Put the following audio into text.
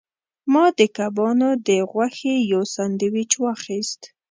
ما د کبانو د غوښې یو سانډویچ واخیست.